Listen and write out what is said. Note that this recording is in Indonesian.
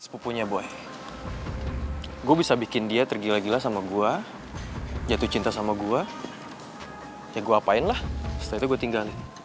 pupunya boy gue bisa bikin dia tergila gila sama gue jatuh cinta sama gue ya gue apain lah setelah itu gue tinggalin